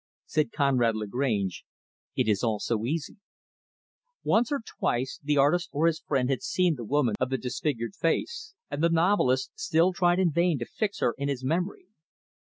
Said Conrad Lagrange "It is all so easy." Once or twice, the artist or his friend had seen the woman of the disfigured face; and the novelist still tried in vain to fix her in his memory.